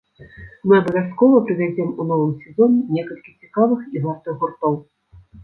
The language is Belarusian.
Мы абавязкова прывязем у новым сезоне некалькі цікавых і вартых гуртоў.